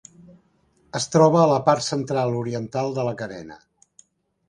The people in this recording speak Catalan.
Es troba a la part central-oriental de la carena.